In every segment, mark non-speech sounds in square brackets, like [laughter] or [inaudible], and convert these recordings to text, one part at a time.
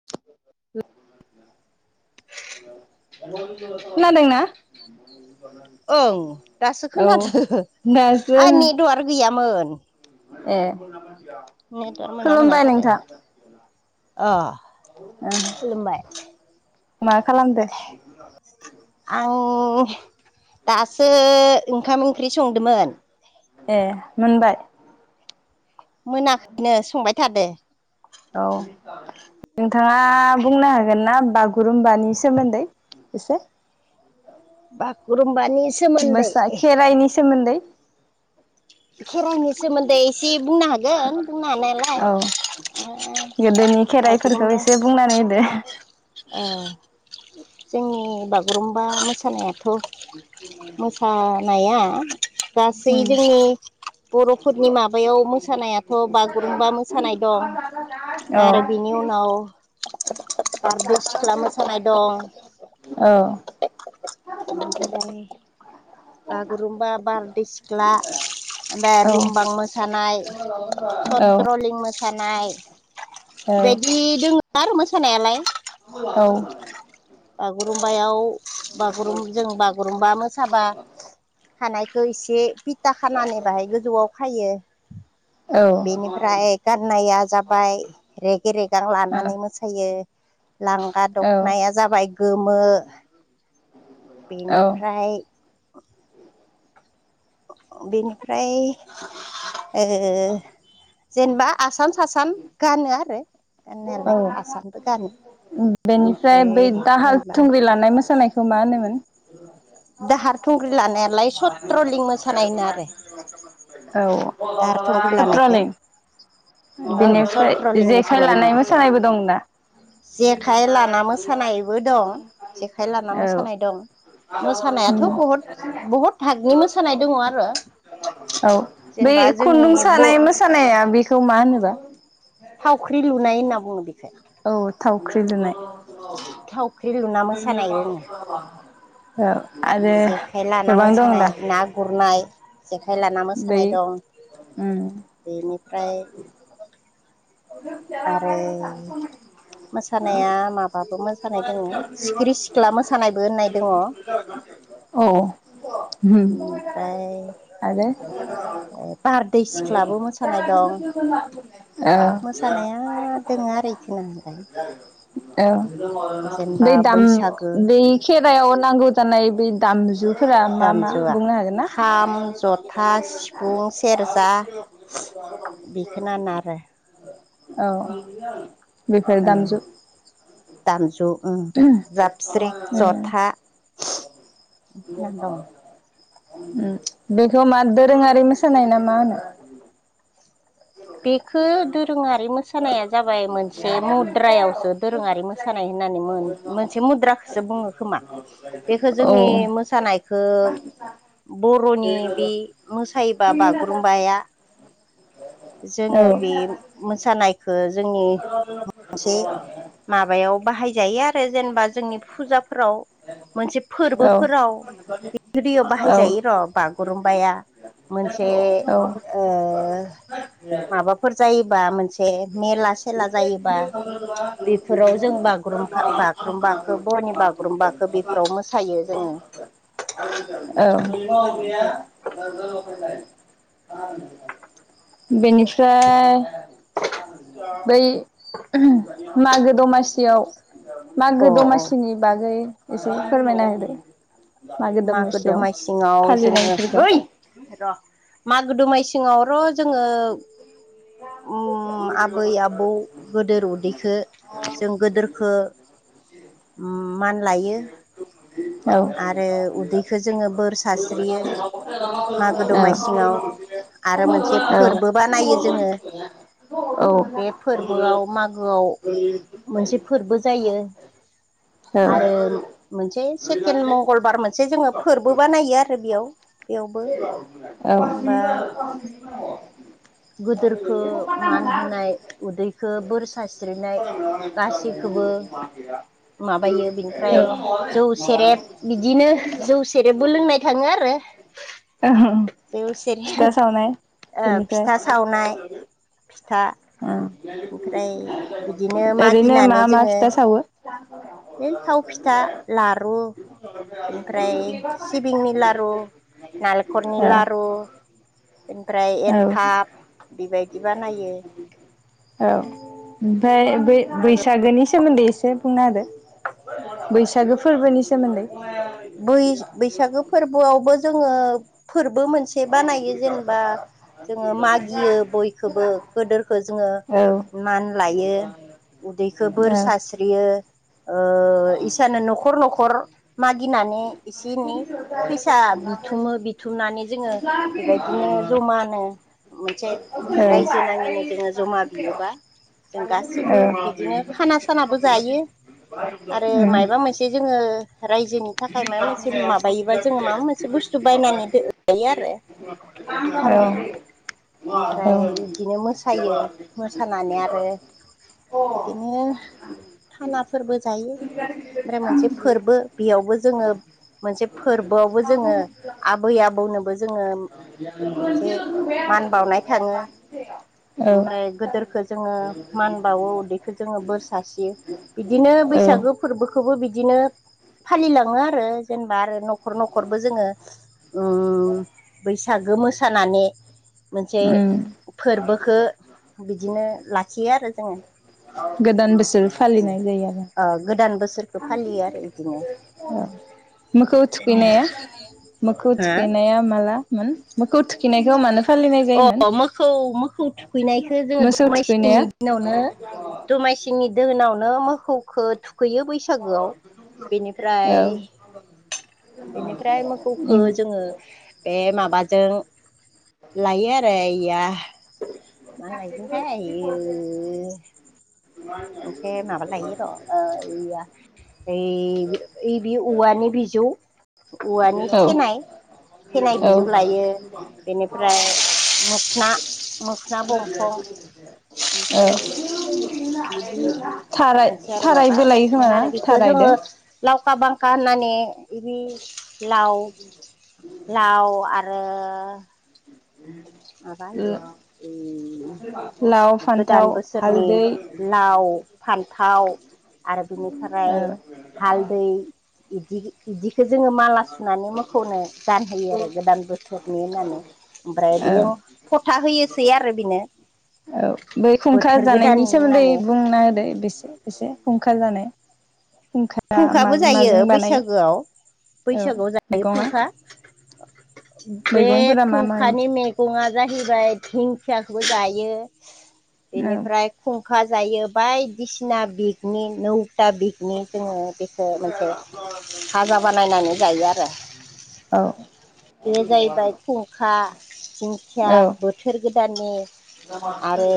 [unintelligible] खोनादोंना? ओं दासो औ खोनादो दासो आं नेटवार्क गैयामोन। ए नेटवार्क खुलुमबाय नोंथां। अह ओं मा खालामदो? आं दासो ओंखाम ओंख्रि संदोंमोन। ए मोनबाय? मोनाखैनो संबाय थादो। औ नोंथांङा बुंनो हागोन ना बागु गुरुम्बानि सोमोन्दै एसे बागुरुम्बानि सोमोन्दै मोसा खेराइनि सोमोन्दै। खेराइनि सोमोन्दै एसे बुंनो हागोन बुंनो हानायालाय ओ औ [inaudible] गोदोनि खेराइफोरखौ बागुरुम्बा एसे बुंनानै होदो। ओ जोंनि बागुरुम्बा मोसानाया मोसानाया गासै उम जोंनि बर'फोरनि माबायाव मोसानायाथ' बागुरुम्बा मोसानाय दं। औ आरो बेनि उनाव बारदै सिख्ला मोसानाय दं। औ ओमफाय बागुरुमबा बारदै सिख्ला बा औ रुमबां मोसानाय औ सथ्रलिं मो सानाय औ बेेदि दोंङो आरो मोसानायालाय। औ बागुरुमबायाव बागुरुजों बागुरुम्बा मोसाबा थानायखौ इसे खानानै बाहाय गोजौआव खायो। बेनिफ्राय गाननाया जाबाय रेगे रेगां लानानै मोसायो। लांगा दखनाया जाबाय गोमो औ बेनिफ्राय बेनिफ्राय ओ जेनबा आसान आसान गानो आरो गाननायालाय औ आसानबो गानो। बेनिफ्राय बै ओमफ्राय दाहाल जेनेबा थुंग्रि लानाय मोसानायखो मा होनोमोन। दाहार थुंग्रि लानायालाय सत्रलिं मोसानाय होनो आरो। औ दाहार थुंग्रि लानायखौ सत्र'लिं ओं बिनिफ्राय सत्रलिं जेखाइ मोसानाय होनो लानाय बेखौ मोसानायबो दंना। जेखाइ लाना मोसानायबो दं जेखाइ लाना औ मोसानाय दं। मोसानायाथ' बहुद बहुत भागनि मोसानाय दंङ आरो। औ बै जेनेबा जोंनि खुन्दुं सानाय मोसानाया बेखौ मा होनोबा। थावख्रि लुनाय होनना बुङो बेखो। औ थावख्रि लुनाय। थावख्रि लुना मोसानाय दोङो। [inaudible] औ आरो जेखाइ लाना गोबां दं मोसानाय दा ना गुरनाय जेखाइ लाना बै मोसानाय दं उम बिनिफ्राय आरो मोसानाया माबाबो मो होननाय दङ औ उम आरो ओ बारदै सिख्लाबो मोसानाय दं औ मोसानाया दोङो आरो इदिनो नोंथां। औ बै दाम बैसागो बे खेरायाव नांगौ जानाय बे दामजु फोरा मा मा दामजुआ बुंनो हागोन ना? [inaudible] खाम जथा सिफुं सेरजा बेखौ नाङा आरो औ औ बेफोर दामजु दामजु उम जाबस्रिं उम जथा दं। उम बेखौ मा दोरोंङारि मोसानाय ना मा होनो। बेखो दोरोङारि मोसानाया जाबाय मोनसे मुद्रायावसो दोरोङारि मो मोसानाय होननानै मोनसे मुद्राखोसो बुङो खोमा बेखो औ जोंनि मो मोसानायखो बर'नि बे मोसायोबा बागुरुम्बाया औ जोंङो बे मोसानायखो जोंनि मोनसे माबायाव बाहायजायो आ मफाय जेनेबा जोंनि फुजाफोराव मोनसे औ फोरबोफोराव बि दैयाव औ बाहायजायो र' बा गुरुम्बाया मोनसे ओ माबाफोर जायोबा मोनसे मेला- सेला जायोबा बेफोराव जों बागुरुम खा बागुरुम्बाखौ बर-नि बागुरूम बाखौ बेफोराव मोसायो जोङो बिदि औ [unintelligible] बेनिफ्राय बै मागो-दमासियाव अ अ मागो-दमासिनि बागै एसे फोरमायना होदो मागो दमासियाव मागो-दमासिङाव जोंङो फालिनायफोरखौ र' मागो दुमासिङाव र' जोङो ओम आबै-आबौ गोदोर उन्दैखौ जों गोदोरखौ उम मान लायो औ औ आरो उन्दैखौ जोङो बोर सारस्रियो मागो-दमासिङाव आरो मोनसे फोरबो बानायो जोंङो औ बे फोरबोआव मागोआव मोनसे फोरबो जायो आरो मोनसे से केण्ड मंगलबार मोनसे जोङो फोरबो बानायो आरो बेयाव बेयावबो जेनेबा औ गोदोरखो मान होनाय उदैखो [unintelligible] बोर सारस्रिनाय गासैखौबो [unintelligible] माबायो बिनिफ्राय जौ सेरेब बिदिनो जौ सेरेबबो लोंनाय थाङो आरो जौ सेरब फिथा सावनाय ओ बेनिफ्राय फिथा सावनाय फिथा ओमफ्राय बिदिनो ओरैनो मा मागिनानै मा जोङो फिथा सावो बे थाव फिथा, लारु बेनिफ्राय सिबिंनि लारु, नालेंखरनि औ लारु ओमफ्राय औ एन्थाब बेबायदि बानायो। औ ओमफ्राय मागो बै-बैसागोनि सोमोन्दै एसे बुंना होदो बैसागो फोरबोनि सोमोन्दै। बै-बैसागो फोरबोआवबो जोंङो फोरबो मोन से बानायो जेनेबा जोङो मागियो बयखौबो गोदोरखो जोङो औ मान लायो उदैखौ बोर सास्रि यो ओ इसानो न'खर न'खर मागिनानै एसे-एनै फैसा बिथुमो बिथुमनानै जोङो बेबायदिनो जमानो मोनसे उम औ रायजो नाङिनो जोङो ज'मा बियोबा जों गासिबो बिदिनो खाना सानाबो जायो आरो मायबा मोनसे जोङो रायजोनि थाखाय माबा मोनसे माबायोबा जोंङो माबा मोनसे बुस्थु बायनानै दोनजायो आरो। बिदि खालामो। ओमफ्राय बिदिनो मोसायो मोसानानै आरो बिदिनो खानाफोरबो जायो ओमफ्राय मोनसे फोरबो बेयावबो जोङो मोनसे फोरबोआवबो जोङो आबै-आबौनोबो जोङो मोनसे मान बावनाय थाङो ओमफ्राय गोदोरखो जोंङो मान बावो उदैखौ जोंङो बोर सास्रियो बिदिनो औ बैसागो फोरबोखौबो बिदिनो फालिलांङो आरो जेनेबा आरो न'खर न'खरबो जोंङो उम बैसागो मोसानानै मोनसे उम फोरबोखो बिदिनो लाखियो आरो गोदान बोसोर जोङो। फालिनाय जायो आरो ओ गोदान बोसोरखौ फालियो आरो बिदिनो। मोखौ थुखैनाया मोखौ हो थुखैनाया माला मोखौ थुखिनायखौ मानो फालिनाय जायोमोन अ मोखौ मोखौ थुखैनायखौ जोङो मोसौ दमायसिनि थुखैनाया दोनावनो दमासिनि दोनावनो मोखौखौ थुखैयो। बैस बैसागोआव। औ बेनिफ्राय बेनिफ्राय मोसौखौ जोङो बे माबाजों लायो आरो ओ मा लायोथाय ओमफ्राय माबा लायो र' ओ इया ओइ बे औवानि बिजौ औवानि औ थेनाय थेनाय औ बिजौ लायो। बेनिफ्राय मोखोना मोखोन बंफं, औ ओमफ्राय बिदि थाराय मोनसे आरो थाराय माबा बोलायो खोमा मोनसेमोन ना आरो बेखौ जोङो थारायदो लावखा बांखा होननानै बि लाव लाव आ ओ [inaudible] माबा होयो लाव उम गोदान फान्थाव बोसोरनि हालदै लाव-फान्थाव आरो बिनिफ्राय औ हालदै बिदि बिदिखौ जोङो माला सुनानै मोखौनो गानहोयो आरो गोदान बोथोरनि होननानै। ओमफ्राय औ बेजों फथा होयोसै आरो बेनो। औ बै खुंखा बोथोर जानायनि गोदाननि सोमोन्दै होननानै बुंना होदो एसे एसे खुंखा जानाय खुंखा फुंखाबो माजों जायो माजों बानायो बैसागोआव। औ बैसागोआव जायो मैगङा फुंखा बे मैगंफोरा मा मायो फुंखानि मे गङा जाहैबाय दिंखियाखौबो जायो। बेनिफ्राय खुंखा जायो बायदिसिना बिकनि नौथा बिकनि जोङो बेखौ मोनसे फाजा बानायनानै जायो आरो। औ बे जाहैबाय खुंखा, दिंखिया औ बोथोर गोदाननि आरो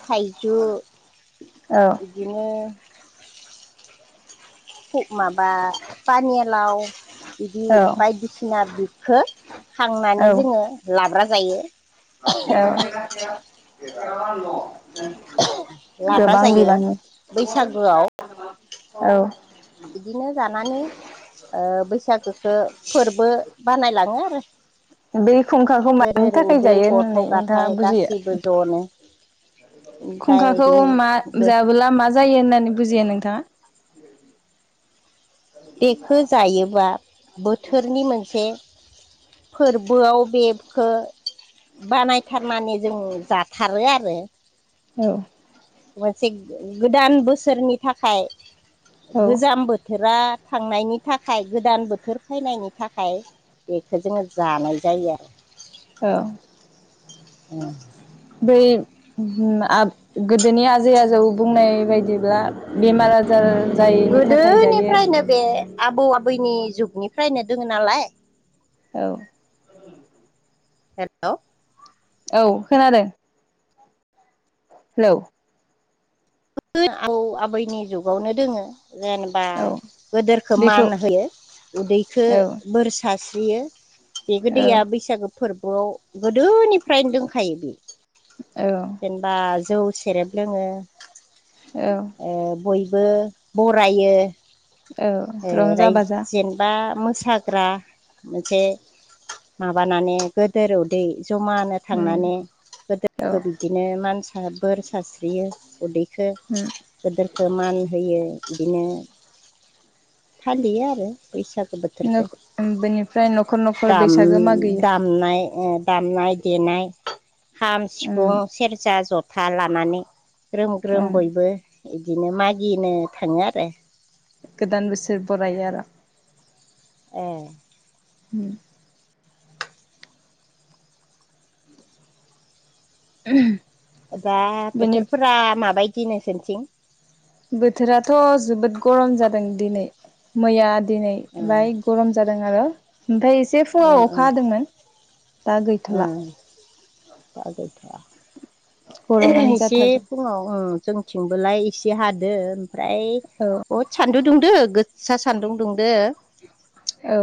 थाइजौ बिदिनो माबा पानियालाव, बिदि औ बायदिसिना खौ खांनानै औ जोङो लाब्रा जायो। [unintelligible] लाब्रा गोबां जायो बिबांनि बैसागोआव औ। बिदिनो जानानै ओ बैसागोखौ फोरबो बानायलाङो आरो। बे खुंखाखौ मानि गोदोर थाखाय उदै जायो गथ' होननानै नोंथाङा गथाय गासैबो बुजियो। ज'नो ओमफ्राय खुंखाखौ मा बे जाबोला मा जायो होननानै बुजियो नोंथाङा? बेखो जायोबा बोथोरनि मोनसे फोरबोआव बेखौ बानायथारनानै जों जाथारो आरो। औ। मोनसे गोदान बोसोरनि थाखाय औ गोजाम बोथो बोथोरा थांनायनि थाखाय गोदान बोथोर फैनायनि थाखाय बेखौ जोङो जानाय जायो आरो। औ। ओ। बे गोदोनि आजै आजौ बुंनाय बायदिब्ला बेमार आजार जायैनि थाखाय जायो। गोदोनिफ्रायनो बे आबौ आबैनि जुगनिफ्रायनो दोङो नालाय औ। हेल'। औ खोनादों। हेल [unintelligible] आबौ- आबैनि जुगावनो दोङो जेने बा औ गोदोरखो बेखौ मान होयो उदैखो औ बोर सारस्रियो। बे औ गोदैया बैसागो फोरबोआव गोदोनिफ्रायनो दोंखायो बे। औ। जेनेबा जौ, सेरेब लोङो। औ। ओ बयबो बरायो। औ ओ रंजा बाजा जेनेबा मोसाग्रा मोनसे माबानानै गोदोराव उनदै जमानो उम थांनानै औ गोदोरखौ बिदिनो मानसा बोर सास्रियो उनदैखो [unintelligible] गोदोरखौ मान होयो बिदिनो फालियो आरो बैसागु [unintelligible] [unintelligible] बेनिफ्राय न'खर न'खर दाम बैसागो मागैयो। [unintelligible] दामनाय देनाय खाम, उम सिफुं, सेरजा, जथा [unintelligible] लानानै ग्रोम ग्रोम उम बयबो बिदिनो मागिनो थाङो आरो। गोदान बोसोर बरायो आरो। ए। [unintelligible] [unintelligible] दा बेनि बोथोरफोरा माबायदि नोंसोरथिं? बोथोराथ' जोबोद गरम जादों दिनै मैया दिनै उम माय गरम जादों आरो ओमफ्राय एसे उम फुङाव उम अखा हादोंमोन दा गैथ'ला। [unintelligible] गरमानो जाथारदों थिंबोलाय एसे हादो ओमफ्राय औ बहुद सान्दुं दुंदो गोसा सान्दुं दुंदो। औ।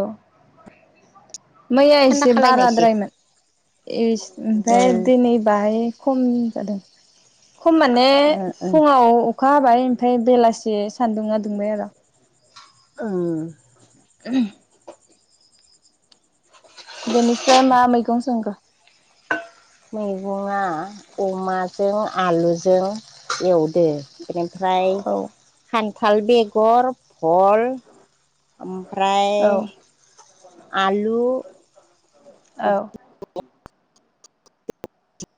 मैया थान्दा एसे खालायनायसै बाराद्रायमोन इस ओमफ्राय दिनै बाहाय खम जादों खम माने ओ ओ फुङाव अखा हाबाय ओमफ्राय बेलासि सान्दुङा दुंबाय आरो। [unintelligible] [unintelligible] बेनिफ्राय मा मैगं संखो? मैगङा अमाजों आलुजों एवदो। बेनिफ्राय औ खान्थाल बेगर, भल ओमफ्राय औ आलु औ।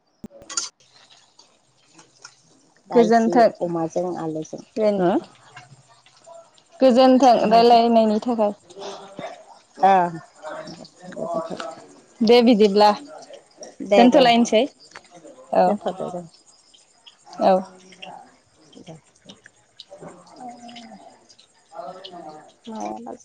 [inaudible] दायसे गोजोन्थों अमाजों आलुजों हो गोजोन्थों अमाजों रायलायनायनि थाखाय। ओ गोजोनथों। दे बिदिब्ला। दे दे दोनथ'लायनोसै औ दोनथ'दो दे। औ। [unintelligible] [unintelligible] [unintelligible]